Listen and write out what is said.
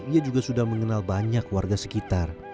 ia juga sudah mengenal banyak warga sekitar